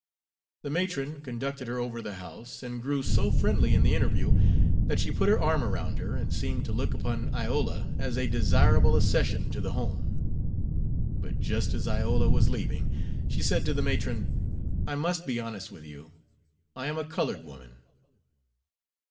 The matron conducted her over the house, and grew so friendly in the interview that she put her arm around her, and seemed to look upon Iola as a desirable accession to the home. But, just as Iola was leaving, she said to the matron: "I must be honest with you; I am a colored woman."